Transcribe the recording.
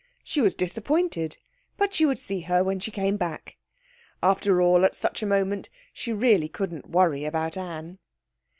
She was disappointed, but she would see her when she came back. After all, at such a moment, she really couldn't worry about Anne.